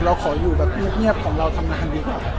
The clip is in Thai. เราขออยู่แบบเงียบของเราทำงานดีกว่า